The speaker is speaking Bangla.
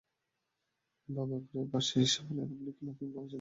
বাবা প্রায়ই বাসায় এসে বলেন, আপনি নাকি বাবার হিসাব মিলিয়ে দিয়েছেন।